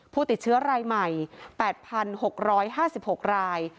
ผู้ติดเชื้อรายใหม่๘๖๕๖ราย